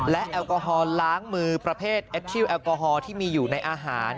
และแอลกอฮอลล้างมือประเภทแอดทิลแอลกอฮอลที่มีอยู่ในอาหาร